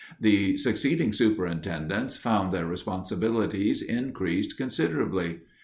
The succeeding superintendents found their responsibilities increased considerably.